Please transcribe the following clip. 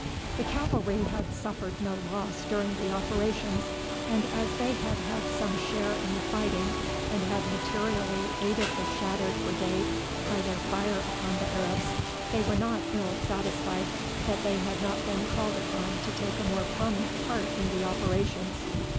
The cavalry had suffered no loss during the operations, and as they had had some share in the fighting, and had materially aided the shattered brigade by their fire upon the Arabs, they were not ill satisfied that they had not been called upon to take a more prominent part in the operations.